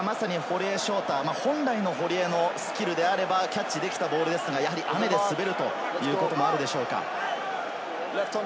堀江翔太、本来の堀江のスキルであれば、キャッチできたボールですが、雨で滑るということもあるでしょうか？